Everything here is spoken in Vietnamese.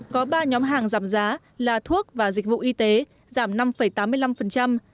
có ba nhóm hàng giảm giá là thuốc và dịch vụ y tế giảm năm tám mươi năm